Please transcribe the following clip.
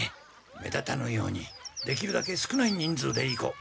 目立たぬようにできるだけ少ない人数で行こう。